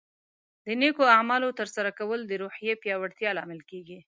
د نیکو اعمالو ترسره کول د روحیې پیاوړتیا لامل کیږي.